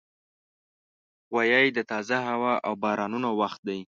غویی د تازه هوا او بارانونو وخت دی.